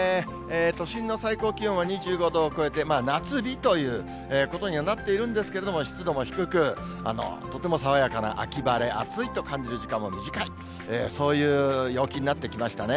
都心の最高気温は２５度を超えて、夏日ということにはなっているんですけれども、湿度も低く、とっても爽やかな秋晴れ、暑いと感じる時間も短い、そういう陽気になってきましたね。